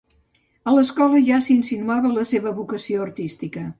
A l'escola ja s'insinuava la seva vocació artística.